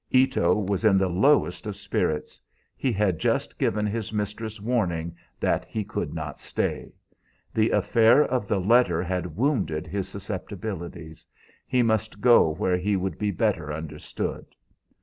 Ito was in the lowest of spirits; had just given his mistress warning that he could not stay. The affair of the letter had wounded his susceptibilities; he must go where he would be better understood.